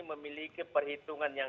memiliki perhitungan yang